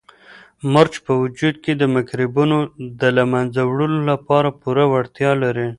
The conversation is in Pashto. مرچ په وجود کې د مکروبونو د له منځه وړلو لپاره پوره وړتیا لري.